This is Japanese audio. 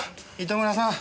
糸村さん。